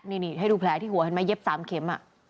นี่ให้ดูแผลที่หัวเห็นไหมเย็บ๓เข็ม